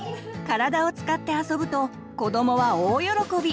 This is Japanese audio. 体を使って遊ぶと子どもは大喜び！